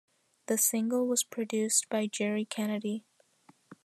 The single was produced by Jerry Kennedy.